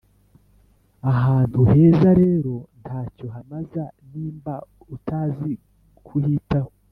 ahantu heza rero nta cyo hamaza nimba utazi kuhitaho